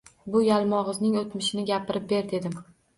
Bu yalmog`izning o`tmishini gapirib ber, dedim